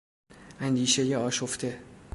اندیشهی آشفته